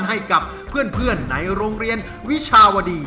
ให้กับเพื่อนในโรงเรียนวิชาวดี